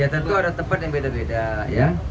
ya tentu ada tempat yang beda beda ya